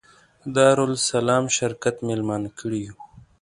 دارالسلام شرکت مېلمانه کړي یو.